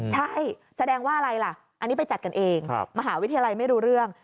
ใช่แสดงว่าอะไรล่ะอันนี้ไปจัดกันเองมหาวิทยาลัยไม่รู้เรื่อง